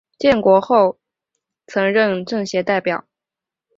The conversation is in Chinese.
建国后曾任政协代表。